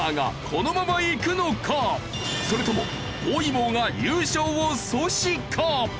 それとも包囲網が優勝を阻止か？